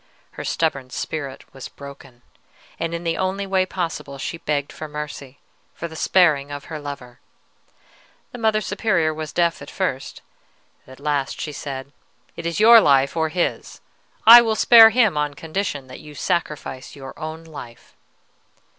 Her stubborn spirit was broken, and in the only way possible; she begged for mercy, for the sparing of her lover. The Mother Superior was deaf at first; at last she said, 'It is your life or his. I will spare him on condition that you sacrifice your own life.'